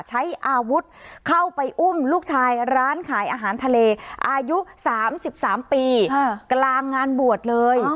ใช้อาวุธเข้าไปอุ้มลูกชายร้านขายอาหารทะเลอายุ๓๓ปีกลางงานบวชเลย